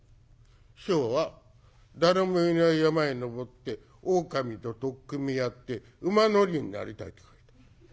師匠は「誰もいない山へ登って狼と取っ組み合って馬乗りになりたい」と書いた。